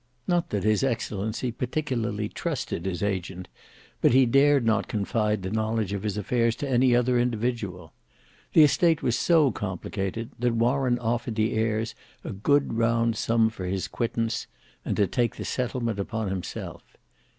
Not that his excellency particularly trusted his agent, but he dared not confide the knowledge of his affairs to any other individual. The estate was so complicated, that Warren offered the heirs a good round sum for his quittance, and to take the settlement upon himself.